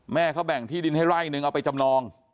แม่เขาแบ่งที่ดินให้ไร่นึงเอาไปจำนอง